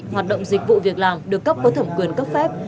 hoạt động dịch vụ việc làm được cấp có thẩm quyền cấp phép